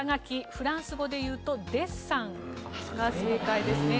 フランス語で言うとデッサンが正解ですね。